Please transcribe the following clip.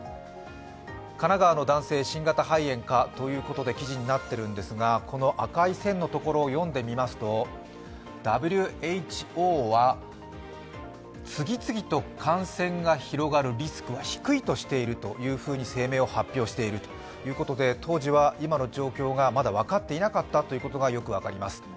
神奈川の男性、新型肺炎かということで記事になっているんですが、この赤い線のところを読んでみますとＷＨＯは次々と感染が広がるリスクは低いとしていると声明を発表しているということで当時は今の状況がまだ分かっていなかったということがよく分かります。